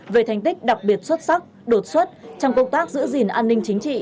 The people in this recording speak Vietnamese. về thành tích đặc biệt xuất sắc đột xuất trong công tác giữ gìn an ninh chính trị